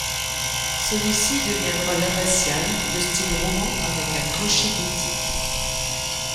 Celui-ci deviendra l'Abbatiale, de style roman avec un clocher gothique.